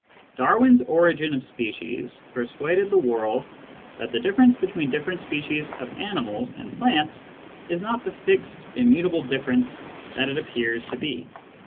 Darwin's Origin of Species persuaded the world that the diflTerence between diflTerent species of animals and plants is not the fixed, immutable diflTerence that it appears to be.